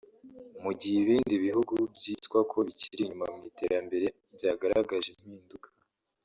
mu gihe ibindi bihugu byitwa ko bikiri inyuma mu iterambere byagaragaje impinduka